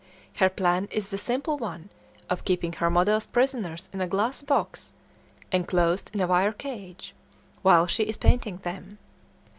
Her plan is the simple one of keeping her models prisoners in a glass box, enclosed in a wire cage, while she is painting them.